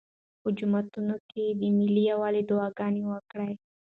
په جوماتونو کې د ملي یووالي دعاګانې وکړئ.